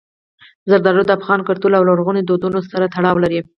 زردالو د افغان کلتور او لرغونو دودونو سره تړاو لري.